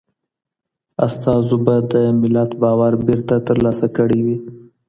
استازو به د ملت باور بېرته ترلاسه کړی وي.